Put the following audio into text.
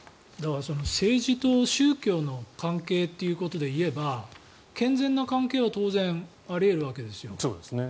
政治と宗教の関係ということで言えば健全な関係は当然、あり得るわけですよ。